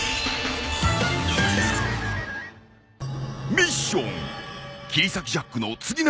ミッション。